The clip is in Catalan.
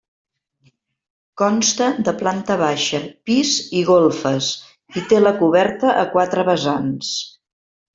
Consta de planta baixa, pis i golfes i té la coberta a quatre vessants.